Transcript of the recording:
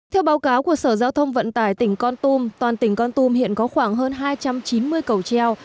theo báo cáo của sở giao thông vận tải tỉnh con tum toàn tỉnh con tum hiện có khoảng hơn hai trăm chín mươi cầu treo